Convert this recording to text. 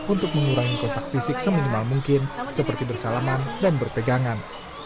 untuk mengurangi kontak fisik seminimal mungkin seperti bersalaman dan berpegangan